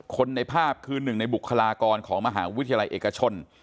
ในภาพคือหนึ่งในบุคลากรของมหาวิทยาลัยเอกชน